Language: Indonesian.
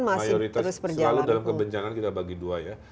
mayoritas selalu dalam kebencangan kita bagi dua ya